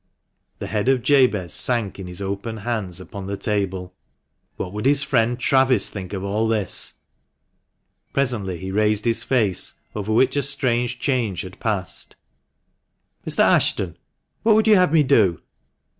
The head of Jabez sank in his open hands upon the table. What would his friend Travis think of all this ? Presently he raised his face, over which a strange change had passed. " Mr. Ashton, what would you have me do